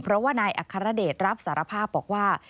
เพราะว่านายอัครเดชรับสารภาพบอกว่า